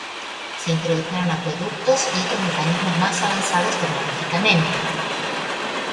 Se introdujeron acueductos y otros mecanismos más avanzados tecnológicamente.